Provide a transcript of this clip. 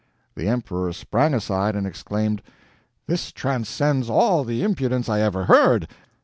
The emperor sprang aside and exclaimed: "This transcends all the impudence I ever heard!